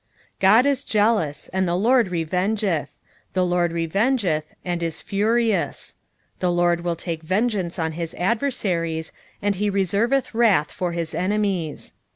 1:2 God is jealous, and the LORD revengeth; the LORD revengeth, and is furious; the LORD will take vengeance on his adversaries, and he reserveth wrath for his enemies.